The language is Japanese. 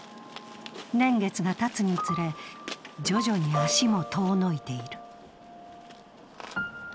年月がたつにつれ、徐々に足も遠のいている。